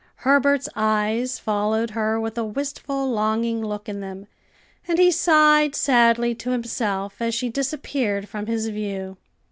Herbert's eyes followed her with a wistful, longing look in them, and he sighed sadly to himself as she disappeared from his view.